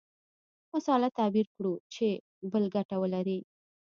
مسأله تعبیر کړو چې بل ګټه ولري.